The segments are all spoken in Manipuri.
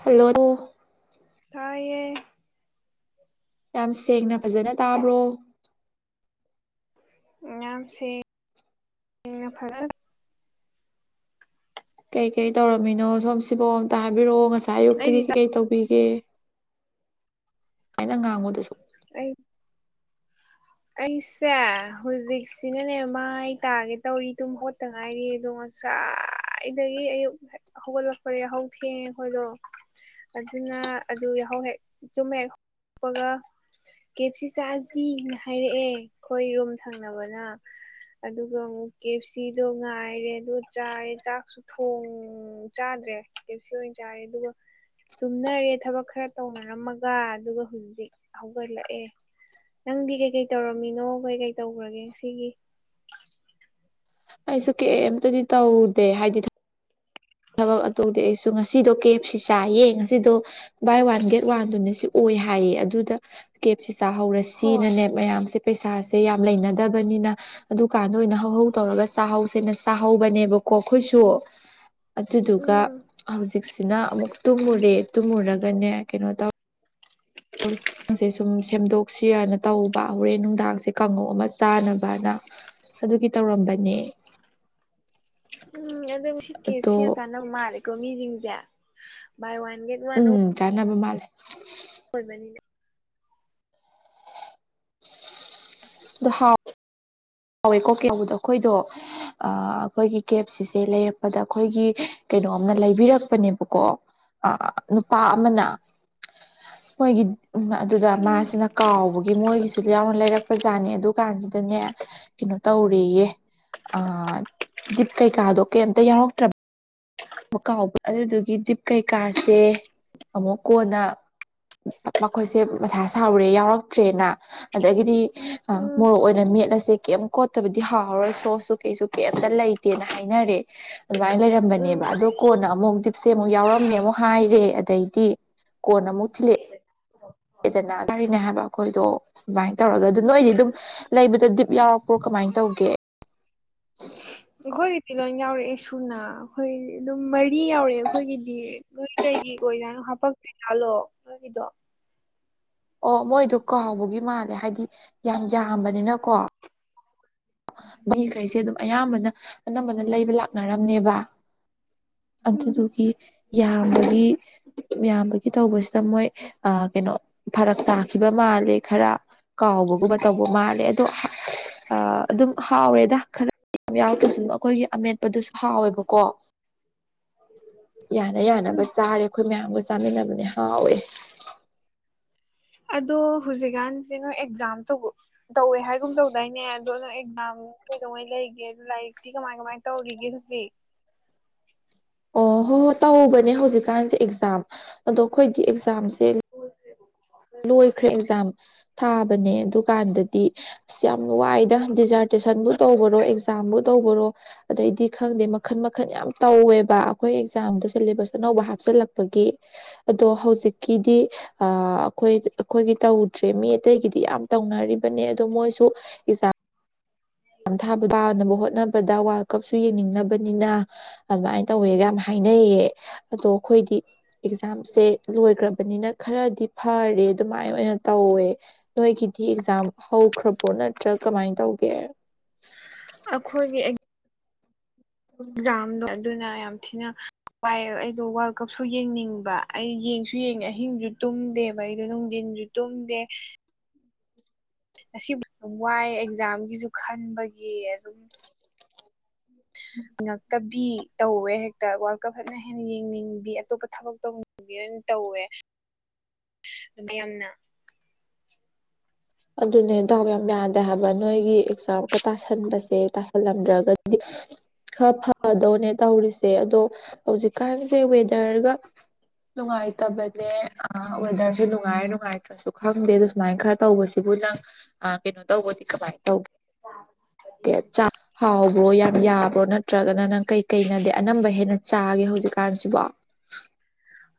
ꯍꯜꯂꯣꯗꯣ ꯇꯥꯏꯌꯦ ꯌꯥꯝ ꯁꯦꯡꯅ ꯐꯖꯅ ꯇꯥꯕ꯭ꯔꯣ ꯌꯥꯝ ꯁꯦꯡꯅ ꯐꯖꯅ ꯀꯩ ꯀꯩ ꯇꯧꯔꯝꯃꯤꯅꯣ ꯁꯣꯝ ꯁꯤꯕꯨ ꯑꯝꯇ ꯍꯥꯏꯕꯤꯔꯛꯑꯣ ꯉꯁꯥꯏ ꯑꯩꯗꯤ ꯑꯌꯨꯛꯇꯒꯤ ꯇꯥ ꯀꯩꯀꯩ ꯇꯧꯕꯤꯒꯦ ꯑꯩꯅ ꯉꯥꯡꯕꯗꯨꯁꯨ ꯑꯩ ꯑꯩꯁꯦ ꯍꯧꯖꯤꯛꯁꯤꯅꯅꯦ ꯃꯥꯏ ꯇꯥꯒꯦ ꯇꯧꯔꯤ ꯇꯨꯝ ꯍꯧꯒꯠꯇ ꯉꯥꯏꯔꯤ ꯑꯗꯣ ꯁꯥꯏꯗꯒꯤ ꯑꯌꯨꯛ ꯍꯧꯒꯠꯂꯛꯄ ꯌꯥꯍꯧ ꯊꯦꯡꯉꯦ ꯑꯈꯣꯏꯗꯣ ꯑꯗꯨꯅ ꯑꯗꯨ ꯌꯥꯍꯧ ꯍꯦꯛ ꯇꯨꯝ ꯍꯦꯛ ꯍꯧꯒꯠꯂꯛꯄꯒ ꯀꯦ ꯑꯦꯞ ꯁꯤ ꯆꯥꯁꯤꯅ ꯍꯥꯏꯔꯛꯑꯦ ꯑꯈꯣꯏ ꯔꯨꯝ ꯊꯪꯅꯕꯅ ꯑꯗꯨꯒ ꯑꯃꯨꯛ ꯀꯦ ꯑꯦꯞ ꯁꯤꯗꯣ ꯉꯥꯏꯔꯦ ꯑꯗꯨ ꯆꯥꯏꯔꯦ ꯆꯥꯛꯁꯨ ꯊꯣꯡ ꯆꯥꯗ꯭ꯔꯦ ꯀꯦꯑꯦꯞ ꯁꯤ ꯑꯣꯏꯅ ꯆꯥꯔꯦ ꯑꯗꯨꯒ ꯇꯨꯝꯅꯔꯦ ꯊꯕꯛ ꯈꯔ ꯇꯧꯅꯔꯝꯃꯒ ꯑꯗꯨꯒ ꯍꯧꯖꯤꯛ ꯍꯧꯒꯠꯂꯛꯑꯦ ꯅꯪꯗꯤ ꯀꯩꯀꯩ ꯇꯧꯔꯝꯃꯤꯅꯣ ꯀꯩ ꯀꯩ ꯇꯧꯈ꯭ꯔꯒꯦ ꯉꯁꯤꯒꯤ ꯑꯩꯁꯨ ꯀꯩ ꯑꯝꯇꯗꯤ ꯇꯧꯗꯦ ꯍꯥꯏꯗꯤ ꯊꯕꯛ ꯑꯗꯨ ꯇꯧꯗꯤ ꯑꯩꯁꯨ ꯉꯁꯤꯗꯣ ꯀꯦ ꯑꯦꯞ ꯁꯤ ꯆꯥꯏꯌꯦ ꯉꯁꯤꯗꯣ ꯕꯥꯏ ꯋꯥꯟ ꯒꯦꯠ ꯋꯥꯟꯗꯨꯅꯁꯨ ꯑꯣꯏ ꯍꯥꯏꯌꯦ ꯑꯗꯨꯗ ꯀꯦ ꯑꯦꯞ ꯁꯤ ꯍꯣꯏ ꯆꯥꯍꯧꯔꯁꯤꯅꯅꯦ ꯃꯌꯥꯝꯁꯦ ꯄꯩꯁꯥꯁꯦ ꯌꯥꯝ ꯂꯩꯅꯗꯕꯅꯤꯅ ꯑꯗꯨꯀꯥꯟꯗ ꯑꯣꯏꯅ ꯍꯧꯍꯧ ꯇꯧꯔꯒ ꯆꯥꯍꯧꯁꯦꯅ ꯆꯥꯍꯧꯕꯅꯦꯕꯀꯣ ꯑꯈꯣꯏꯁꯨ ꯑꯗꯨꯗꯨꯒ ꯎꯝ ꯍꯧꯖꯤꯛꯁꯤꯅ ꯑꯃꯨꯛ ꯇꯨꯝꯃꯨꯔꯦ ꯇꯨꯝꯃꯨꯔꯒꯅꯦ ꯀꯩꯅꯣ ꯇꯧ [unintelligible] ꯁꯦ ꯁꯨꯝ ꯁꯦꯝꯗꯣꯛꯁꯤꯔꯅ ꯇꯧꯕ ꯍꯣꯔꯦꯟ ꯅꯨꯡꯗꯥꯡꯁꯦ ꯀꯥꯡꯉꯧ ꯑꯃ ꯆꯥꯅꯕꯅ ꯑꯗꯨꯒꯤ ꯇꯧꯔꯝꯕꯅꯦ ꯎꯝ ꯑꯗꯨꯕꯨꯗꯤ ꯀꯦ ꯑꯦꯞ ꯁꯤ ꯑꯗꯣ ꯌꯥꯝ ꯆꯥꯅꯩ ꯅꯪ ꯃꯥꯜꯂꯤꯀꯣ ꯃꯤꯁꯤꯡꯁꯦ ꯕꯥꯢ ꯋꯥꯟ ꯒꯦꯠ ꯋꯥꯟ ꯎꯝ ꯆꯥꯅꯕ ꯃꯥꯜꯂꯦ ꯑꯣꯏꯕꯅꯤꯅꯥ ꯑꯗꯨ ꯍꯥꯎ ꯍꯥꯎꯋꯦꯀꯣ [unintelligible] ꯑꯈꯣꯏꯗꯣ ꯑ ꯑꯈꯣꯏꯒꯤ ꯀꯦ ꯑꯦꯞ ꯁꯤ ꯁꯦ ꯂꯩꯔꯛꯄꯗ ꯑꯈꯣꯏꯒꯤ ꯀꯩꯅꯣꯝꯅ ꯂꯩꯕꯤꯔꯛꯄꯅꯦꯕꯀꯣ ꯑ ꯅꯨꯄꯥ ꯑꯃꯅ ꯃꯣꯏꯒꯤ ꯎꯝ ꯑꯗꯨꯗ ꯎꯝ ꯃꯥꯁꯤꯅ ꯀꯥꯎꯕꯒꯤ ꯃꯣꯏꯒꯤꯁꯨ ꯌꯥꯎꯅ ꯂꯩꯔꯛꯄ ꯖꯥꯠꯅꯤ ꯑꯗꯨ ꯀꯥꯟꯁꯤꯗꯅꯦ ꯀꯩꯅꯣ ꯇꯧꯔꯦꯌꯦ ꯗꯤꯞ ꯀꯩꯀꯥꯗꯣ ꯀꯩꯝꯇ ꯌꯥꯎꯔꯛꯇ꯭ꯔꯕ ꯃꯀꯥꯎꯕ ꯑꯗꯨꯗꯨꯒꯤ ꯗꯤꯞ ꯀꯩꯀꯥꯁꯦ ꯑꯃꯨꯛ ꯀꯣꯟꯅ ꯃꯈꯣꯏꯁꯦ ꯃꯊꯥ ꯁꯥꯎꯔꯦ ꯌꯥꯎꯔꯛꯇ꯭ꯔꯦꯅ ꯑꯗꯒꯤꯗꯤ ꯎꯝ ꯃꯣꯔꯣꯛ ꯑꯣꯏꯅ ꯑꯗꯨꯅ ꯃꯦꯠ ꯑꯁꯦ ꯀꯩꯝ ꯀꯣꯠꯇꯕꯗꯤ ꯍꯥꯎꯔꯔꯣꯏ ꯁꯣꯁꯁꯨ ꯀꯩꯁꯨ ꯀꯩꯝꯇ ꯂꯩꯇꯦꯅ ꯍꯥꯏꯅꯔꯦ ꯑꯗꯨꯃꯥꯢ ꯂꯩꯔꯝꯕꯅꯦ ꯎꯝ ꯑꯗꯨ ꯀꯣꯟꯅ ꯑꯃꯨꯛ ꯗꯤꯞꯁꯦ ꯑꯃꯨꯛ ꯌꯥꯎꯔꯝꯃꯦ ꯑꯃꯨꯛ ꯍꯥꯏꯔꯦ ꯑꯗꯩꯗꯤ ꯀꯣꯟꯅ ꯑꯃꯨꯛ ꯊꯤꯜꯂꯛꯑꯦ ꯑꯦꯗꯅ ꯀꯔꯤꯅꯦ ꯍꯥꯏꯕ ꯑꯈꯣꯏꯗꯣ ꯑꯗꯨꯃꯥꯏꯅ ꯇꯧꯔꯒ ꯑꯗꯨ ꯅꯣꯏꯗꯤ ꯑꯗꯨꯝ ꯂꯩꯕꯗ ꯗꯤꯞ ꯌꯥꯎꯔꯛꯄ꯭ꯔꯣ ꯀꯃꯥꯏꯅ ꯇꯧꯒꯦ [unintelligible] ꯑꯈꯣꯏꯒꯤꯗꯤ ꯂꯣꯏ ꯌꯥꯎꯔꯛꯑꯦ ꯁꯨꯅꯥ ꯑꯈꯣꯏ ꯑꯗꯨꯝ ꯃꯔꯤ ꯌꯥꯎꯔꯛꯑꯦ ꯑꯈꯣꯏꯒꯤꯗꯤ ꯅꯣꯏ ꯀꯩꯒꯤ ꯑꯣꯏꯖꯥꯠꯅꯣ ꯍꯥꯄꯛꯇꯤꯖꯥꯠꯂꯣ ꯅꯣꯏꯒꯤꯗꯣ ꯑꯣ ꯃꯣꯏꯗꯣ ꯀꯥꯎꯕꯒꯤ ꯃꯥꯜꯂꯦ ꯍꯥꯏꯗꯤ ꯌꯥꯝ ꯌꯥꯝꯕꯅꯤꯅꯀꯣ ꯃꯤꯈꯩꯁꯦ ꯑꯗꯨꯝ ꯑꯌꯥꯝꯕꯅ ꯑꯅꯝꯕꯅ ꯂꯩꯕ ꯂꯥꯛ ꯅꯔꯝꯅꯦꯕ ꯎꯝ ꯑꯗꯨꯗꯨꯒꯤ ꯌꯥꯝꯕꯒꯤ ꯌꯥꯝꯕꯒꯤ ꯇꯧꯕꯁꯤꯗ ꯃꯣꯏ ꯑ ꯀꯩꯅꯣ ꯐꯔꯛ ꯇꯥꯈꯤꯕ ꯃꯥꯜꯂꯦ ꯈꯔ ꯀꯥꯎꯕꯒꯨꯝꯕ ꯇꯧꯕ ꯃꯥꯜꯂꯦ ꯑꯗꯣ ꯑ ꯑꯗꯨꯝ ꯍꯥꯎꯔꯦꯗ ꯈꯔ ꯀꯩꯝ ꯌꯥꯎꯗ꯭ꯔꯁꯨ ꯑꯈꯣꯏꯒꯤ ꯑꯃꯦꯠꯄꯗꯨꯁꯨ ꯍꯥꯎꯋꯦꯕꯀꯣ [unintelligible] ꯌꯥꯅ ꯎꯝ ꯌꯥꯅꯕ ꯆꯥꯔꯦ ꯑꯈꯣꯏ ꯃꯌꯥꯝꯒ ꯆꯥꯃꯤꯟꯅꯕꯅꯦ ꯍꯥꯎꯋꯤ ꯑꯗꯣ ꯍꯧꯖꯤꯛꯀꯥꯟꯁꯦ ꯅꯣꯏ ꯑꯦꯛꯖꯥꯝ ꯇꯧꯕ ꯇꯧꯋꯦ ꯍꯥꯏꯒꯨꯝ ꯇꯧꯗꯥꯏꯅꯦ ꯑꯗꯣꯝ ꯑꯦꯛꯖꯥꯝ ꯀꯩꯗꯧꯉꯩ ꯂꯩꯒꯦ ꯑ ꯂꯥꯏꯔꯤꯛꯇꯤ ꯀꯃꯥꯏ ꯀꯃꯥꯏꯅ ꯇꯧꯔꯤꯒꯦ ꯍꯧꯖꯤꯛ [inaudible] ꯑꯣ ꯍꯣꯏ ꯍꯣꯏ ꯇꯧꯕꯧꯕꯅꯦ ꯍꯧꯖꯤꯛꯀꯥꯟꯁꯦ ꯑꯦꯛꯖꯥꯝ ꯑꯗꯣ ꯑꯩꯈꯣꯏꯗꯤ ꯑꯦꯛꯖꯥꯝꯁꯦ ꯂꯣꯏꯈ꯭ꯔꯦ ꯑꯦꯛꯖꯥꯝ ꯊꯥꯕꯅꯦ ꯑꯗꯨꯀꯥꯟꯗꯗꯤ ꯌꯥꯝꯅ ꯋꯥꯏꯗ ꯗꯤꯖꯥꯔꯇꯦꯁꯟꯕꯨ ꯇꯧꯕꯔꯣ ꯏ ꯑꯦꯛꯖꯥꯝꯕꯨ ꯇꯧꯕꯔꯣ ꯑꯗꯩꯗꯤ ꯈꯪꯗꯦ ꯃꯈꯟ ꯃꯈꯟ ꯌꯥꯝ ꯇꯧꯋꯦꯕ ꯑꯩꯈꯣꯏ ꯑꯦꯛꯖꯥꯝꯗꯣ ꯁꯤꯦꯂꯦꯕꯁ ꯑꯅꯧꯕ ꯍꯥꯞꯆꯤꯜꯂꯛꯄꯒꯤ ꯑꯗꯣ ꯍꯧꯖꯤꯛꯀꯤꯗꯤ ꯑꯥ ꯑꯩꯈꯣꯏ ꯑꯩꯈꯣꯏꯒꯤ ꯇꯧꯗ꯭ꯔꯦ ꯃꯤ ꯑꯇꯩꯒꯤꯗꯤ ꯌꯥꯝ ꯇꯧꯅꯔꯤꯕꯅꯦ ꯑꯗꯣ ꯃꯣꯏꯁꯨ ꯑꯦꯛꯖꯦꯝ ꯊꯥ ꯄꯥꯅꯕ ꯍꯣꯠꯅꯕꯗ ꯋꯥꯔꯜꯗ ꯀꯞꯁꯨ ꯌꯦꯡꯅꯤꯡꯅꯕꯅꯤꯅ ꯑꯗꯨꯃꯥꯏꯅ ꯇꯧꯋꯦꯒ ꯌꯥꯝ ꯍꯥꯏꯅꯩꯌꯦ ꯑꯗꯣ ꯑꯩꯈꯣꯏꯗꯤ ꯑꯦꯛꯖꯥꯝꯁꯦ ꯂꯣꯏꯈ꯭ꯔꯕꯅꯤꯅ ꯈꯔꯗꯤ ꯐꯔꯦ ꯑꯗꯨꯃꯥꯏꯅ ꯑꯣꯏꯅ ꯇꯧꯋꯦ ꯅꯣꯏꯒꯤꯗꯤ ꯑꯦꯛꯖꯥꯝ ꯍꯧꯈ꯭ꯔꯕ꯭ꯔꯣ ꯅꯠꯇ꯭ꯔ ꯀꯃꯥꯏꯅ ꯇꯧꯒꯦ꯫ ꯑꯩꯈꯣꯏꯒꯤ ꯑꯦꯛ ꯗꯣ ꯑꯗꯨꯅ ꯌꯥꯝ ꯊꯤꯅ ꯋꯥꯏ ꯑꯩꯗꯣ ꯋꯥꯔꯜ ꯀꯞꯁꯨ ꯌꯦꯡꯅꯤꯡꯕ ꯑꯩ ꯌꯦꯡꯁꯨ ꯌꯦꯡꯉꯦ ꯑꯍꯤꯡꯁꯨ ꯇꯨꯝꯗꯦꯕ ꯑꯩꯗꯣ ꯅꯨꯡꯊꯤꯟꯁꯨ ꯇꯨꯝꯗꯦ ꯉꯁꯤꯕꯨ ꯋꯥꯏ ꯑꯦꯛꯖꯥꯝꯒꯤꯁꯨ ꯈꯟꯕꯒꯤ ꯑꯗꯨꯝ [inaudible] ꯉꯛꯇꯕꯤ ꯇꯧꯋꯦ ꯍꯦꯛꯇ ꯋꯥꯔꯜ ꯀꯞ ꯐꯖꯟ ꯍꯦꯟꯅ ꯌꯦꯡꯅꯤꯡꯕꯤ ꯑꯇꯣꯞꯄ ꯊꯕꯛ ꯇꯧꯅꯤꯡ ꯇꯧꯋꯦ ꯑꯗꯨ ꯌꯥꯝꯅ ꯑꯗꯨꯅꯦ ꯗꯥꯎ ꯌꯝ ꯌꯗꯦꯕꯥ ꯅꯣꯏꯒꯤ ꯑꯦꯛꯖꯥꯝꯒ ꯇꯥꯁꯟꯕꯁꯦ ꯇꯥꯁꯜꯂꯝꯗ꯭ꯔꯒꯗꯤ ꯈꯔ ꯐꯗꯧꯅꯦ ꯇꯧꯔꯤꯁꯦ ꯑꯗꯣ ꯍꯧꯖꯤꯛꯀꯥꯟꯁꯦ ꯋꯦꯗꯔꯒ ꯅꯨꯡꯉꯥꯏꯇꯕꯅꯦ ꯑ ꯋꯦꯗꯔꯁꯦ ꯅꯨꯡꯉꯥꯏ ꯅꯨꯡꯉꯥꯏꯇ꯭ꯔꯁꯨ ꯈꯪꯗꯦ ꯑꯗ ꯁꯨꯃꯥꯏꯅ ꯈꯔ ꯇꯧꯕꯁꯦ ꯁꯤꯕꯨ ꯅꯪ ꯑ ꯀꯩꯅꯣ ꯇꯧꯕꯗꯤ ꯀꯃꯥꯏꯅ ꯇꯧꯒꯦ ꯀꯦ ꯆꯥꯛ ꯍꯥꯎꯕ꯭ꯔꯣ ꯌꯥꯝ ꯌꯥꯕ꯭ꯔꯣ ꯅꯠꯇ ꯅꯠꯇ꯭ꯔꯒꯅ ꯅꯪ ꯀꯩꯀꯩꯅꯗꯤ ꯑꯅꯝꯕ ꯍꯦꯟꯅ ꯆꯥꯒꯦ ꯍꯧꯖꯤꯛꯀꯥꯟꯁꯤꯕꯣ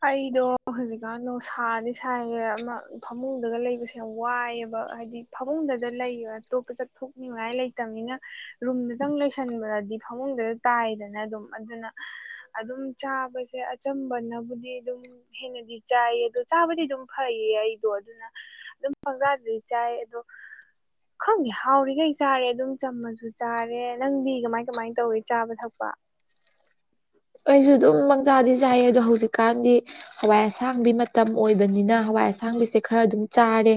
ꯑꯩꯗꯣ ꯍꯧꯖꯤꯛꯀꯥꯟ ꯅꯨꯁꯥꯗꯤ ꯁꯥꯥꯏꯒꯦ ꯑꯃ ꯐꯃꯨꯡꯗꯒ ꯂꯩꯕꯁꯦ ꯌꯥꯝ ꯋꯥꯏꯑꯦꯕ ꯍꯥꯏꯗꯤ ꯐꯃꯨꯡꯗꯗ ꯂꯩ ꯑꯇꯣꯞꯄ ꯆꯠꯊꯣꯛꯅꯤꯡꯉꯥꯏ ꯂꯩꯇꯕꯅꯤꯅ ꯔꯨꯝꯗꯇꯪ ꯂꯩꯣꯏꯁꯟꯕꯗꯤ ꯐꯃꯨꯡꯗꯗ ꯇꯥꯏꯗꯅ ꯑꯗꯨꯝ ꯑꯗꯨꯅ ꯑꯗꯨꯝ ꯆꯥꯕꯁꯦ ꯑꯆꯝꯕꯅ ꯕꯨꯗꯤ ꯑꯗꯨꯝ ꯍꯦꯟꯅꯗꯤ ꯆꯥꯏꯌꯦ ꯑꯗꯣ ꯆꯥꯕꯗꯤ ꯑꯗꯨꯝ ꯐꯩꯌꯦ ꯑꯩꯗꯣ ꯑꯗꯨꯅ ꯑꯗꯨꯝ ꯄꯪꯆꯥꯗꯗꯤ ꯆꯥꯏ ꯑꯗꯣ ꯈꯪꯗꯦ ꯍꯥꯎꯔꯤꯈꯩ ꯆꯥꯔꯦ ꯑꯗꯨꯝ ꯆꯝꯃꯁꯨ ꯆꯥꯔꯦ ꯅꯪꯗꯤ ꯀꯃꯥꯏ ꯀꯃꯥꯏꯅ ꯇꯧꯋ ꯆꯥꯕ ꯊꯛꯄ ꯑꯩꯁꯨ ꯑꯗꯨꯝ ꯄꯪꯆꯥꯗꯤ ꯆꯥꯏꯌꯦ ꯑꯗꯣ ꯍꯧꯖꯤꯛꯀꯥꯟꯗꯤ ꯍꯋꯥꯏ ꯑꯁꯥꯡꯕꯤ ꯃꯇꯝ ꯑꯣꯏꯕꯅꯤꯅ ꯍꯋꯥꯏ ꯑꯁꯥꯡꯕꯤꯁꯦ ꯈꯔ ꯑꯗꯨꯝ ꯆꯥꯔꯦ꯫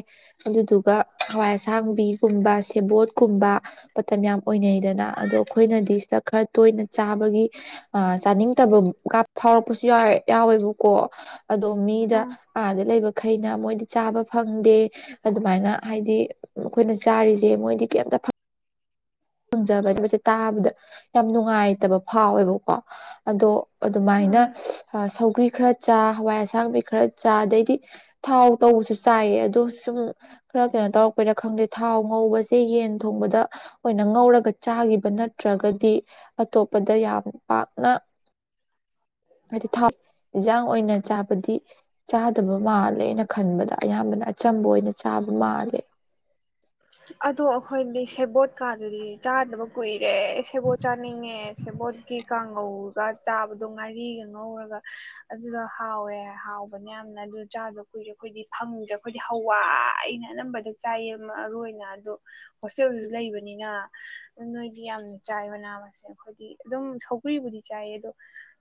ꯑꯗꯨꯗꯨꯒ ꯍꯋꯥꯏ ꯑꯁꯥꯡꯕꯤꯒꯨꯝꯕ ꯁꯦꯕꯣꯠꯀꯨꯝꯕ ꯃꯇꯝ ꯌꯥꯝ ꯑꯣꯏꯅꯩꯗꯅ ꯑꯗꯣ ꯑꯩꯈꯣꯏꯅꯗꯤ ꯁꯤꯗ ꯈꯔ ꯇꯣꯏꯅ ꯆꯥꯕꯒꯤ ꯑ ꯆꯥꯅꯤꯡꯗꯕꯒ ꯐꯥꯎꯔꯛꯄꯁꯨ ꯌꯥꯎ ꯌꯥꯎꯋꯦꯕꯀꯣ ꯑꯗꯣ ꯃꯤꯗ ꯎꯝ ꯑꯥꯗ ꯂꯩꯕꯈꯩꯅ ꯃꯣꯏꯗꯤ ꯆꯥꯕ ꯐꯪꯗꯦ ꯑꯗꯨꯃꯥꯏꯅ ꯍꯥꯏꯗꯤ ꯑꯩꯈꯣꯏꯅ ꯆꯥꯔꯤꯁꯦ ꯃꯣꯏꯗꯤ ꯀꯩꯝꯇ ꯐꯪ ꯐꯪꯖꯗꯕ ꯍꯥꯏꯕꯁꯦ ꯇꯥꯕꯗ ꯌꯥꯝ ꯅꯨꯡꯉꯥꯏꯇꯕ ꯐꯥꯎꯋꯦꯕꯀꯣ ꯑꯗꯣ ꯑꯗꯨꯃꯥꯏꯅ ꯎꯝ ꯁꯧꯒ꯭ꯔꯤ ꯈꯔ ꯆꯥ ꯍꯋꯥꯏ ꯑꯁꯥꯡꯕꯤ ꯈꯔ ꯆꯥ ꯑꯗꯩꯗꯤ ꯊꯥꯎ ꯇꯧꯕꯁꯨ ꯆꯥꯏꯌꯦ ꯑꯗꯣ ꯁꯨꯝ ꯈꯔ ꯀꯩꯅꯣ ꯇꯧꯔꯛꯄꯩꯔ ꯈꯪꯗꯦ ꯊꯥꯎ ꯉꯧꯕꯁꯦ ꯌꯦꯟ ꯊꯣꯡꯕꯗ ꯑꯣꯏꯅ ꯉꯧꯔꯒ ꯆꯥꯈꯤꯕ ꯅꯠꯇ꯭ꯔꯒꯗꯤ ꯑꯇꯣꯞꯄꯗ ꯌꯥꯝ ꯄꯥꯛꯅ ꯍꯥꯏꯗꯤ ꯊꯥꯎ ꯏꯟꯁꯥꯡ ꯑꯣꯏꯅ ꯆꯥꯕꯗꯤ ꯆꯥꯗꯕ ꯃꯥꯜꯂꯦ ꯑꯩꯅ ꯈꯟꯕꯗ꯫ ꯑꯌꯥꯝꯕꯅ ꯑꯆꯝꯕ ꯑꯣꯏꯅ ꯆꯥꯕ ꯃꯥꯜꯂꯦ꯫ ꯑꯗꯣ ꯑꯩꯈꯣꯏꯗꯤ ꯁꯦꯕꯣꯠꯀꯥꯗꯨꯗꯤ ꯆꯥꯗꯕ ꯀꯨꯏꯔꯦ ꯁꯦꯕꯣꯠ ꯆꯥꯅꯤꯡꯉꯦ ꯁꯦꯕꯣꯠ ꯀꯤ ꯀꯥꯡꯉꯧꯒ ꯆꯥꯕꯗꯣ ꯉꯥꯔꯤꯒ ꯉꯧꯔꯒ ꯑꯗꯨꯗꯣ ꯍꯥꯎꯋꯦ ꯍꯥꯎꯕꯅꯦ ꯌꯥꯝꯅ ꯑꯗꯨ ꯆꯥꯗꯣ ꯀꯨꯏꯔꯦ ꯑꯩꯈꯣꯏꯗꯤ ꯐꯪꯗ꯭ꯔꯦ ꯑꯩꯈꯣꯏꯗꯤ ꯍꯋꯥꯏꯅ ꯑꯅꯝꯕꯗ ꯆꯥꯏꯌꯦ ꯑꯃ ꯑꯔꯨ ꯑꯣꯏꯅ ꯑꯗꯣ ꯍꯣꯁꯇꯦꯜꯁꯨ ꯂꯩꯕꯅꯤꯅ ꯅꯣꯏꯗꯤ ꯌꯥꯝꯅ ꯆꯥꯏ ꯃꯅꯥ ꯃꯁꯤꯡ ꯁꯦ ꯑꯩꯈꯣꯏꯗꯤ ꯑꯗꯨꯝ ꯁꯧꯒ꯭ꯔꯤꯕꯨꯗꯤ ꯆꯥꯏꯌꯦ ꯑꯗꯣ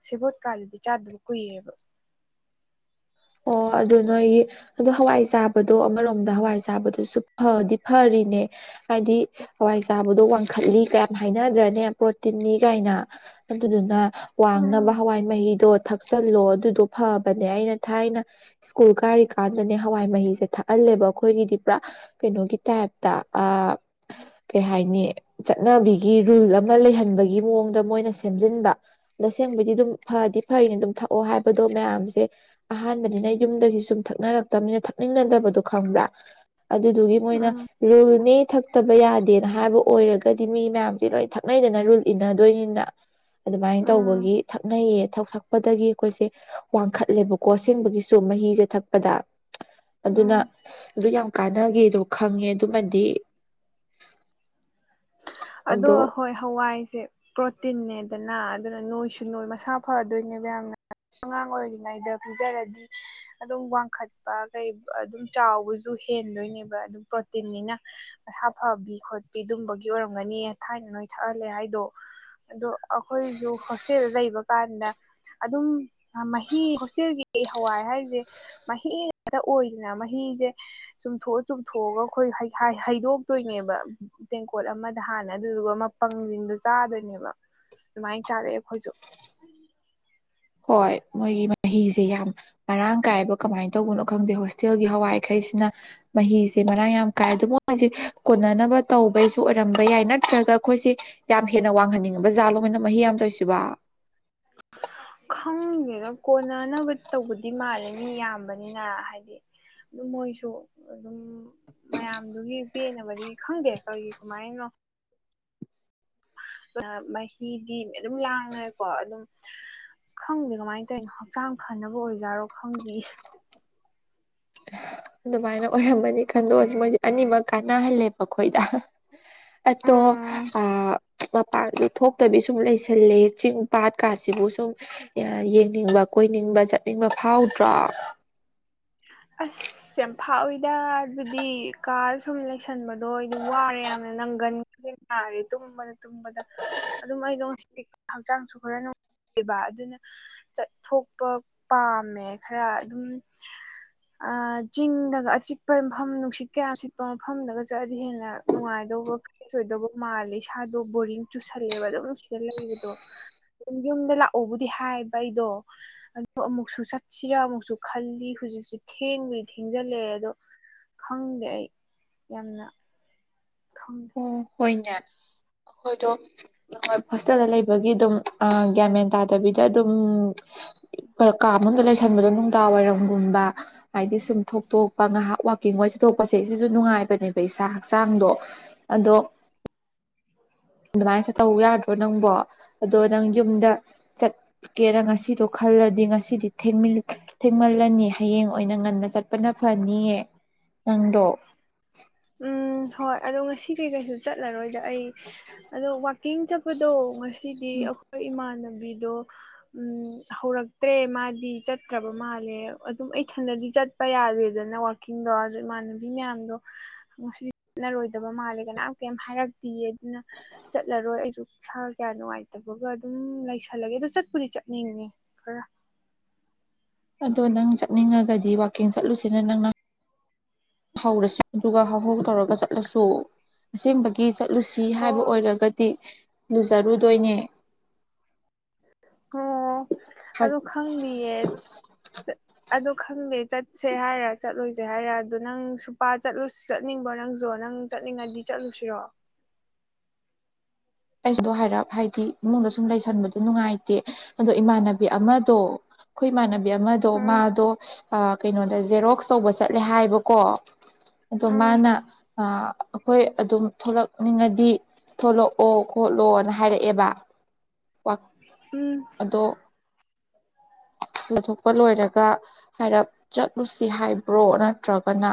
ꯁꯦꯕꯣꯠꯀꯥꯗꯨꯗꯤ ꯆꯥꯗꯕ ꯀꯨꯏꯌꯦꯕ ꯑꯣ ꯑꯗꯨ ꯅꯣꯏ ꯑꯗꯣ ꯍꯋꯥꯏ ꯆꯥꯕꯗꯣ ꯑꯃꯔꯣꯝꯗ ꯍꯋꯥꯏ ꯆꯥꯕꯗꯨꯁꯨ ꯐꯗꯤ ꯐꯔꯤꯅꯦ ꯍꯥꯏꯗꯤ ꯍꯋꯥꯏ ꯆꯥꯕꯗꯣ ꯋꯥꯡꯈꯠꯂꯤ ꯀꯌꯥꯝ ꯍꯥꯏꯅꯗ꯭ꯔꯅꯦ ꯄ꯭ꯔꯣꯇꯤꯟꯅꯤ ꯀꯥꯏꯅ ꯑꯗꯨꯗꯨꯅ ꯋꯥꯡꯅꯕ ꯎꯝ ꯍꯋꯥꯏ ꯃꯍꯤꯗꯣ ꯊꯛꯆꯜꯂꯣ ꯑꯗꯨꯗꯣ ꯐꯕꯅꯦ ꯑꯩꯅ ꯊꯥꯏꯅ ꯁ꯭ꯀꯨꯜ ꯀꯥꯔꯤꯀꯥꯟꯗꯅꯦ ꯍꯋꯥꯏ ꯃꯍꯤꯁꯦ ꯊꯥꯛꯍꯜꯂꯦꯕ ꯑꯩꯈꯣꯏꯒꯤꯗꯤ ꯄꯨꯔꯥ ꯀꯩꯅꯣ ꯇ ꯍꯥꯏꯕꯇ ꯑ ꯀꯩ ꯍꯥꯏ ꯆꯠꯅꯕꯤꯒꯤ ꯔꯨꯜ ꯑꯃ ꯂꯩꯍꯟꯕꯒꯤ ꯃꯑꯣꯡꯗ ꯃꯣꯏꯅ ꯁꯦꯝꯖꯤꯟꯕ ꯇꯁꯦꯡꯕꯗꯤ ꯑꯗꯨꯝ ꯐꯗꯤ ꯐꯩꯅꯤ ꯑꯗꯨꯝ ꯊꯛꯑꯣ ꯍꯥꯏꯕꯗꯣ ꯃꯌꯥꯝꯁꯦ ꯑꯍꯥꯟꯕꯗꯤꯅ ꯌꯨꯝꯗꯒꯤ ꯁꯨꯝ ꯊꯛꯅꯔꯛꯇꯕꯅꯤꯅ ꯊꯛꯅꯤꯡꯅꯗꯕꯗꯣ ꯈꯪꯕ꯭ꯔꯥ ꯑꯗꯨꯗꯨꯒꯤ ꯃꯣꯏꯅ ꯎꯝ ꯔꯨꯜꯅꯤ ꯊꯛꯇꯕ ꯌꯥꯗꯦꯅ ꯍꯥꯏꯕ ꯑꯣꯏꯔꯒꯗꯤ ꯃꯤ ꯃꯌꯥꯝꯁꯦ ꯂꯣꯏ ꯊꯛꯅꯩꯗꯅ ꯔꯨꯜ ꯏꯟꯅꯗꯣꯏꯅꯤꯅ ꯑꯗꯨꯃꯥꯏꯅ ꯎꯝ ꯇꯧꯕꯒꯤ ꯊꯛꯅꯩꯌꯦꯛ ꯁꯛꯄꯗꯒꯤ ꯑꯩꯈꯣꯏꯁꯦ ꯋꯥꯡꯈꯠꯂꯦꯕꯀꯣ ꯀꯣꯠꯁꯦꯡꯕꯒꯤꯁꯨ ꯃꯍꯤꯁꯦ ꯊꯛꯄꯗ ꯑꯗꯨꯅ ꯎꯝ ꯑꯗꯨ ꯌꯥꯝ ꯀꯥꯟꯅꯒꯦꯗꯣ ꯈꯪꯉꯦ ꯑꯗꯨꯃꯗꯤ ꯑꯗꯣ ꯍꯣꯏ ꯍꯋꯥꯏꯁꯦ ꯄ꯭ꯔꯣꯇꯤꯟꯅꯦꯗꯅ ꯑꯗꯨꯅ ꯅꯣꯏꯁꯨ ꯅꯣꯏ ꯃꯁꯥ ꯐꯗꯣꯏꯅꯦꯕ ꯌꯥꯝꯅ ꯑꯉꯥꯡ ꯑꯣꯏꯔꯤꯉꯩꯗ ꯄꯤꯖꯔꯗꯤ ꯑꯗꯨꯝ ꯋꯥꯡꯈꯠꯄ ꯀꯩ ꯑꯗꯨꯝ ꯆꯥꯎꯕꯁꯨ ꯍꯦꯟꯗꯣꯏꯅꯦꯕ ꯑꯗꯨꯝ ꯄ꯭ꯔꯣꯇꯤꯟꯅꯤꯅ ꯁꯥ ꯐꯕꯤ ꯈꯣꯠꯄꯤ ꯑꯗꯨꯝꯕꯒꯤ ꯑꯣꯏꯔ ꯐꯪꯒꯅꯤ ꯊꯥꯏꯅ ꯅꯣꯏ ꯊꯛꯍꯜꯂꯦ ꯍꯥꯏꯗꯣ ꯑꯗꯣ ꯑꯩꯈꯣꯏꯁꯨ ꯍꯣꯁꯇꯦꯜꯗ ꯂꯩꯕ ꯀꯥꯟꯗ ꯑꯗꯨꯝ ꯃꯍꯤ ꯍꯣꯁꯦꯜꯒꯤ ꯑꯩ ꯍꯋꯥꯏ ꯍꯥꯏꯔꯤꯁꯦ ꯃꯍꯤꯇ ꯑꯣꯏꯗꯅ ꯃꯍꯤꯁꯦ ꯆꯨꯝꯊꯣꯛꯑ ꯆꯨꯝꯊꯣꯛꯑꯒ ꯑꯩꯈꯣꯏ ꯍꯩꯗꯣꯛꯇꯣꯏꯅꯦꯕ ꯇꯦꯡꯀꯣꯠ ꯑꯃ ꯑꯗ ꯍꯥꯟꯅ ꯑꯗꯨꯗꯨꯒ ꯃꯄꯪꯁꯤꯡꯗꯣ ꯆꯥꯗꯣꯏꯅꯦꯕ ꯑꯗꯨꯃꯥꯏꯅ ꯆꯥꯔꯛꯑꯦ ꯑꯩꯈꯣꯏꯁꯨ ꯍꯣꯏ ꯃꯣꯏꯒꯤ ꯃꯍꯤꯁꯦ ꯌꯥꯝ ꯃꯔꯥꯡ ꯀꯥꯏꯕ ꯀꯃꯥꯏꯅ ꯇꯧꯕꯅꯣ ꯈꯪꯗꯦ ꯍꯣꯁꯇꯦꯜꯒꯤ ꯍꯋꯥꯏꯈꯩꯁꯤꯅ ꯃꯍꯤꯁꯦ ꯃꯔꯥꯡ ꯌꯥꯝ ꯀꯥꯏꯗꯣ ꯃꯣꯏꯁꯦ ꯀꯣꯟꯅꯅꯕ ꯇꯧꯕꯩꯁꯨ ꯑꯣꯏꯔꯝꯕ ꯌꯥꯏ ꯅꯠꯇ꯭ꯔꯒ ꯑꯩꯈꯣꯏꯁꯦ ꯌꯥꯝ ꯍꯦꯟꯅ ꯋꯥꯡꯍꯟꯅꯤꯡꯉꯕ ꯖꯥꯠꯂꯣ ꯃꯣꯏꯅ ꯃꯍꯤ ꯌꯥꯝ ꯇꯧꯁꯤꯕ ꯈꯪꯗꯦꯅ ꯀꯣꯟꯅꯅꯕ ꯇꯧꯕꯗꯤ ꯃꯥꯜꯂꯦ ꯃꯤ ꯌꯥꯝꯌꯥꯝꯕꯅꯤꯅ ꯍꯥꯏꯗꯤ ꯑꯗꯨꯝ ꯃꯣꯏꯁꯨ ꯑꯗꯨꯝ ꯃꯌꯥꯝꯗꯨꯒꯤ ꯄꯦꯟꯅꯕꯗꯤ ꯈꯪꯗꯦ ꯀꯔꯤꯒꯤ ꯀꯃꯥꯏꯅꯣ ꯃꯍꯤꯗꯤ ꯑꯗꯨꯝ ꯂꯥꯡꯉꯦꯀꯣ ꯑꯗꯨꯝ ꯈꯪꯗꯦ ꯀꯃꯥꯏꯅ ꯇꯧꯔꯤꯅꯣ ꯍꯛꯆꯥꯡ ꯐꯅꯕ ꯑꯣꯏꯖꯥꯠꯔꯣ ꯈꯪꯗꯦ ꯑꯗꯨꯃꯥꯏꯅ ꯑꯣꯏꯔꯝꯝꯕꯅꯤ ꯈꯟꯗꯣꯛꯑꯁꯤ ꯃꯣꯏꯁꯦ ꯑꯅꯤꯃꯛ ꯀꯥꯟꯅꯍꯜꯂꯦꯕꯈꯣꯏꯗ ꯑꯗꯣ ꯎꯝ ꯃꯄꯥꯟꯗ ꯊꯣꯛꯇꯕꯤ ꯁꯨꯝ ꯂꯩꯁ ꯊꯜꯂꯦ ꯆꯤꯡ ꯄꯥꯠꯀꯥꯁꯤꯕꯨ ꯁꯨꯝ ꯌꯦꯡꯅꯤꯡꯕ ꯀꯣꯏꯅꯤꯡꯕ ꯆꯠꯅꯤꯡꯕ ꯐꯥꯎꯗ꯭ꯔꯥ ꯑꯁ ꯌꯥꯝꯐꯥꯛꯑꯣꯏꯗ ꯑꯗꯨꯗꯤ ꯀꯥ ꯁꯨꯝ ꯂꯩꯁꯟꯕꯗꯣ ꯍꯥꯏꯗꯤ ꯋꯥꯔꯦ ꯌꯥꯝꯅ ꯅꯪꯒꯟ ꯈꯁꯤꯟ ꯅꯥꯔꯦ ꯇꯨꯝꯕ ꯇꯨꯝꯕꯗ ꯑꯗꯨꯝ ꯑꯩ ꯅꯨꯡꯁꯤ ꯍꯛꯆꯥꯡꯁꯨ ꯈꯔ ꯅꯨꯡꯉꯥꯏꯕ ꯑꯗꯨꯅ ꯆꯠꯊꯣꯛꯄ ꯄꯥꯝꯃꯦ ꯈꯔ ꯑꯗꯨꯝ [inaudible] ꯆꯤꯡꯗꯒ ꯑꯆꯤꯛꯄ ꯃꯐꯝ ꯅꯨꯡꯁꯤꯠ ꯀꯌꯥ ꯁꯤꯛꯄ ꯃꯐꯝꯗꯒ ꯆꯠꯑꯗꯤ ꯍꯦꯟꯅ ꯅꯨꯡꯉꯥꯏꯗꯧꯕ ꯁꯣꯏꯗꯧꯕ ꯃꯥꯜꯂꯦ ꯏꯁꯥꯗꯣ ꯕꯣꯔꯤꯡ ꯆꯨꯁꯜꯂꯦꯕ ꯑꯗꯨꯝ ꯅꯨꯡꯁꯤꯗ ꯂꯩꯕꯗꯣ ꯑꯗꯨꯝ ꯌꯨꯝꯗ ꯂꯥꯛꯎꯕꯨꯗꯤ ꯍꯥꯏꯕ ꯑꯩꯗꯣ ꯑ ꯑꯃꯨꯛꯁꯨ ꯆꯠꯁꯤꯔ ꯑꯃꯨꯛꯁꯨ ꯈꯜꯂꯤ ꯑꯩ ꯍꯧꯖꯤꯛꯁꯦ ꯊꯦꯡꯕꯨꯗꯤ ꯊꯦꯡꯖꯤꯜꯂꯛꯑꯦ ꯑꯗꯣ ꯈꯪꯗꯦ ꯑꯩ ꯌꯥꯝꯅ ꯈꯪ ꯑꯣ ꯍꯣꯏꯅꯦ ꯍꯣꯏꯗꯣ ꯍꯣꯁꯇꯦꯜꯗ ꯂꯩꯕꯒꯤ ꯑꯗꯨꯝ ꯑ ꯒ꯭ꯌꯥꯟꯃꯦꯟ ꯇꯥꯗꯕꯤꯗ ꯑꯗꯨꯝ ꯀꯥ ꯑꯅꯨꯡꯗ ꯂꯩꯁꯟꯕꯗꯣ ꯅꯨꯡꯗꯥꯡ ꯋꯥꯏꯔꯝꯒꯨꯝꯕ ꯍꯥꯏꯗꯤ ꯁꯨꯝ ꯊꯣꯛꯇꯣꯛꯄ ꯉꯥꯏꯍꯥꯛ ꯋꯥꯛꯀꯤꯡ ꯑꯣꯏ ꯊꯣꯠꯊꯣꯛꯄꯁꯦ ꯁꯤꯁꯨ ꯅꯨꯡꯉꯥꯏꯕꯅꯦꯕ ꯏꯁꯥ ꯍꯛꯆꯥꯡꯗꯣ ꯑꯗꯣ ꯑꯗꯨꯃꯥꯏꯅ ꯆꯠꯇꯧ ꯌꯥꯗ꯭ꯔꯣ ꯅꯪꯕꯣ ꯑꯗꯣ ꯅꯪ ꯌꯨꯝꯗ ꯆꯠ ꯀꯦꯔ ꯉꯁꯤꯗꯣ ꯈꯜꯂꯗꯤ ꯉꯁꯤꯗꯤ ꯊꯦꯡꯃꯤꯜ ꯊꯦꯡꯃꯜꯂꯅꯤ ꯍꯌꯦꯡ ꯑꯣꯏꯅ ꯉꯟꯅ ꯆꯠꯄꯅ ꯐꯅꯤꯌꯦ ꯅꯪꯗꯣ ꯎꯝ ꯍꯣꯏ ꯑꯗꯣ ꯉꯁꯤ ꯀꯩꯀꯩꯁꯨ ꯆꯠꯂꯔꯣꯏꯗ ꯑꯩ ꯑꯗꯣ ꯋꯥꯛꯀꯤꯡ ꯆꯠꯄꯗꯣ ꯉꯁꯤꯗꯤ ꯑꯩꯈꯣꯏ ꯏꯃꯥꯟꯅꯕꯤꯗꯣ ꯎꯝ [inaudible] ꯍꯧꯔꯛꯇ꯭ꯔꯦ ꯃꯥꯗꯤ ꯆꯠꯇ꯭ꯔꯕ ꯃꯥꯜꯂꯦ ꯑꯗꯨꯝ ꯑꯩꯊꯟꯗꯗꯤ ꯆꯠꯄ ꯌꯥꯗꯦꯗꯅ ꯀꯤꯡꯗꯣ ꯏꯃꯥꯟꯅꯕꯤ ꯃꯌꯥꯝꯗꯣ ꯉꯁꯤ ꯂꯣꯏꯗꯕ ꯃꯥꯟꯂꯦ ꯀꯅꯥꯝ ꯀꯔꯤꯝ ꯍꯥꯏꯔꯛꯇꯦꯑ ꯑꯗꯨꯅ ꯆꯠꯂꯔꯣꯏ ꯑꯩꯁꯨ ꯁꯥ ꯀꯌꯥ ꯅꯨꯡꯉꯥꯏꯇꯕꯒ ꯑꯗꯨꯝ ꯂꯩꯁꯜꯂꯒꯦ ꯑꯗꯨ ꯆꯠꯄꯨꯗꯤ ꯆꯠꯅꯤꯡꯉꯦ ꯐꯔ ꯑꯗꯣ ꯅꯪ ꯆꯠꯅꯤꯡꯉꯒꯗꯤ ꯋꯥꯛꯀꯤꯡ ꯆꯠꯂꯨꯁꯤꯅ ꯅꯪꯅ ꯍꯧꯔꯁꯤ ꯑꯗꯨꯒ ꯍꯧꯍꯧ ꯇꯧꯔꯒ ꯆꯠꯂꯁꯨ ꯑꯁꯦꯡꯕꯒꯤ ꯆꯠꯂꯨꯁꯤ ꯍꯥꯏꯕ ꯍꯣꯏ ꯑꯣꯏꯔꯒꯗꯤ ꯂꯨꯖꯔꯨꯗꯣꯏꯅꯦ ꯎꯝ ꯑꯗꯨ ꯈꯪꯗꯤꯌꯦ ꯑꯗꯣ ꯈꯪꯗꯦ ꯆꯠꯁꯦ ꯍꯥꯏꯔ ꯆꯠꯂꯣꯏꯁꯦ ꯍꯥꯏꯔ ꯑꯗ ꯅꯪ ꯁꯨꯄꯥ ꯆꯠꯂꯨ ꯆꯠꯅꯤꯡꯕꯣ ꯅꯪꯖꯨ ꯅꯪ ꯆꯠꯅꯤꯡꯉꯥꯗꯤ ꯆꯠꯂꯨꯁꯤꯔꯣ ꯑꯩꯗꯣ ꯍꯥꯏꯔꯞ ꯍꯥꯏꯗꯤ ꯏꯃꯨꯡꯗ ꯁꯨꯝ ꯂꯩꯁꯟꯕꯗꯣ ꯅꯨꯡꯉꯥꯏꯇꯦ ꯑꯗꯣ ꯏꯃꯥꯟꯅꯕꯤ ꯑꯃꯗꯣ ꯑꯩꯈꯣꯏ ꯏꯃꯥꯟꯅꯕꯤ ꯑꯃꯗꯣ ꯎꯝ ꯃꯥꯗꯣ ꯀꯩꯅꯣꯗ ꯖꯦꯔꯣꯛꯁ ꯇꯧꯕ ꯆꯠꯂꯦ ꯍꯥꯏꯑꯦꯕꯀꯣ ꯑꯗꯣ ꯎꯝ ꯃꯥꯅ ꯑꯩꯈꯣꯏ ꯑꯗꯨꯝ ꯊꯣꯛꯂꯛꯅꯤꯡꯉꯗꯤ ꯊꯣꯂꯣꯛ ꯑꯣ ꯈꯣꯠꯂꯣ ꯑꯅ ꯍꯥꯏꯔꯛꯑꯦꯕ ꯎꯝ ꯑꯗꯣ ꯂꯨꯊꯣꯛꯄ ꯂꯣꯏꯔꯒ ꯍꯥꯏꯔꯞ ꯆꯠꯂꯨꯁꯤ ꯍꯥꯏꯕ꯭ꯔꯣ ꯅꯠꯇ꯭ꯔꯒꯅ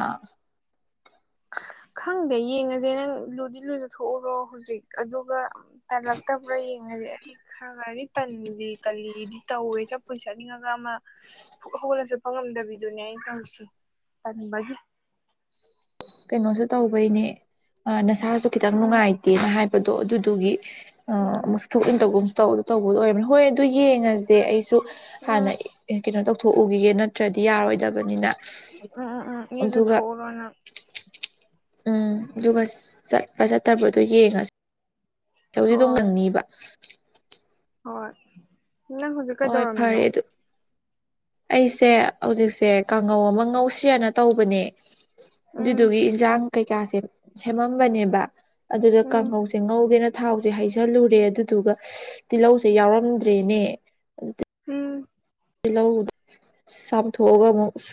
ꯈꯪꯗꯦ ꯌꯦꯡꯉꯁꯦ ꯅꯪ ꯂꯨꯗꯤ ꯂꯨꯖꯊꯣꯛꯎꯔꯣ ꯍꯧꯖꯤꯛ ꯑꯗꯨꯒ ꯇꯟꯂꯥꯛꯇꯕꯔ ꯌꯦꯡꯉꯖꯦ ꯑꯩ ꯈꯔ ꯈꯔꯗꯤ ꯇꯟꯂꯤ ꯇꯜꯂꯤꯗꯤ ꯇꯧꯋꯦ ꯆꯠꯄꯨꯗꯤ ꯆꯠꯅꯤꯡꯉꯒ ꯑꯃ ꯄꯨꯛ ꯍꯧꯈꯠꯂꯒ ꯆꯠꯄ ꯉꯝꯗꯕꯤꯗꯨꯅꯦ ꯑꯩꯅ ꯇꯧꯔꯤꯁꯤ ꯄꯜꯕꯒꯤ ꯀꯩꯅꯣꯁꯨ ꯇꯧꯕꯩꯅꯦ ꯑ ꯅꯁꯥꯁꯨ ꯈꯤꯇꯪ ꯎꯝ ꯅꯨꯡꯉꯥꯏꯇꯦꯅ ꯍꯥꯏꯕꯗꯣ ꯑꯗꯨꯗꯨꯒꯤ ꯑ ꯎꯝ ꯑꯃꯨꯛ ꯊꯣꯛ ꯏꯟ ꯇꯧꯒꯨꯝꯁꯨ ꯇꯧ ꯇꯧꯕꯗꯣ ꯑꯣꯏꯔꯕꯅꯤ ꯍꯣꯏ ꯑꯗꯨ ꯌꯦꯡꯉ ꯁꯦ ꯑꯩꯁꯨ ꯍꯥꯟꯅ ꯎꯝ ꯀꯩꯅꯣ ꯇꯧꯊꯣꯛꯎꯒꯤꯒꯦ ꯅꯠꯇ꯭ꯔꯗꯤ ꯌꯥꯔꯣꯏꯗꯕꯅꯤꯅ ꯎꯝ ꯎꯝ ꯎꯝ ꯑꯗꯨꯒ ꯏꯔꯨꯖꯊꯣꯛꯎꯔꯣ ꯅꯪ ꯎꯝ ꯑꯗꯨꯒ ꯆꯠꯄ ꯆꯠꯇꯕꯗꯣ ꯌꯦꯡꯉꯁꯤ ꯇꯧꯗꯤꯗꯨꯝ ꯍꯣꯏ ꯉꯪꯅꯤꯕ ꯍꯣꯏ ꯅꯪ ꯍꯧꯖꯤꯛ ꯍꯣꯏ ꯀꯩꯗꯧꯔꯝꯃꯤꯅꯣ ꯐꯔꯦ ꯑꯗꯨ ꯑꯩꯁꯦ ꯍꯧꯖꯤꯛꯁꯦ ꯀꯥꯡꯉꯧ ꯑꯃ ꯉꯧꯁꯤꯔꯅ ꯇꯧꯕꯅꯦ ꯎꯝ ꯑꯗꯨꯗꯨꯒꯤ ꯏꯟꯁꯥꯡ ꯀꯩꯀꯥꯁꯦ ꯁꯦꯝꯃꯝꯕꯅꯦꯕ ꯑꯗꯨꯗ ꯎꯝ ꯀꯥꯡꯉꯧꯁꯦ ꯉꯧꯒꯦꯅ ꯊꯥꯎꯁꯦ ꯍꯩꯖꯜꯂꯨꯔꯦ ꯑꯗꯨꯗꯨꯒ ꯇꯤꯜꯍꯧꯁꯦ ꯌꯥꯎꯔꯝꯗ꯭ꯔꯦꯅꯦ ꯎꯝ ꯇꯤꯍꯧꯗ ꯆꯥꯝꯊꯣꯛꯑꯒ ꯑꯃꯨꯛ ꯁꯣꯏ